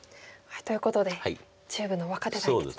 ということで中部の若手対決と。